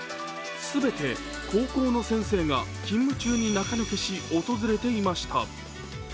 全て高校の先生が勤務中に中抜けし、訪れていました。